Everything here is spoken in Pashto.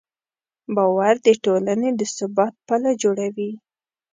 باور د ټولنې د ثبات پله جوړوي.